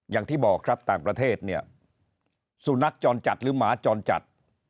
อย่างที่บอกครับต่างประเทศเนี่ยสุนัขจรจัดหรือหมาจรจัด